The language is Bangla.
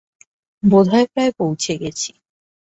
বোধহয় প্রায় পৌছে গেছি।